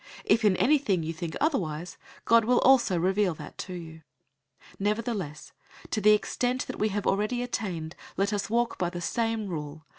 If in anything you think otherwise, God will also reveal that to you. 003:016 Nevertheless, to the extent that we have already attained, let us walk by the same rule.